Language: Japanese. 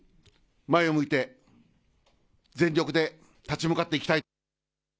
前を向いて全力で立ち向かっていきたい。